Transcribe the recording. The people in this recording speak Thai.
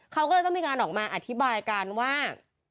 เขาก็เลยต้องมีการออกมาอธิบายกันว่า